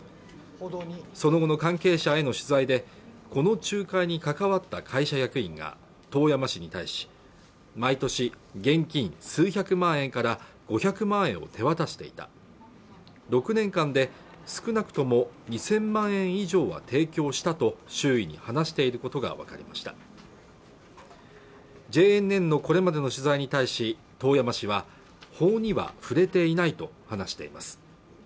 その後の関係者への取材でこの仲介に関わった会社役員が遠山氏に対し毎年現金数百万円から５００万円を手渡していた６年間で少なくとも２０００万円以上は提供したと周囲に話していることが分かりましたＪＮＮのこれまでの取材に対し遠山氏は法には触れていないと話しています